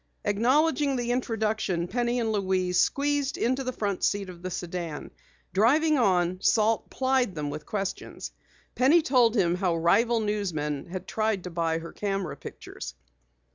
Acknowledging the introduction, Penny and Louise squeezed into the front seat of the sedan. Driving on, Salt plied them with questions. Penny told him how rival newsmen had tried to buy her camera pictures.